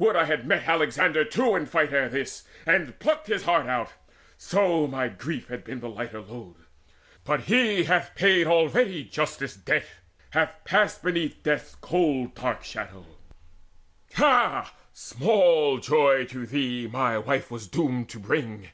Would I had met Alexander too in fight Ere this, and plucked his heart out! So my grief Had been a lighter load. But he hath paid Already justice' debt, hath passed beneath Death's cold dark shadow. Ha, small joy to thee My wife was doomed to bring!